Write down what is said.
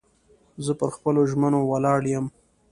زه پر خپلو ژمنو ولاړ یم.